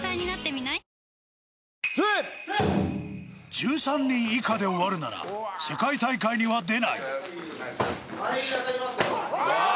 １３人以下で終わるなら世界大会には出ないやめ！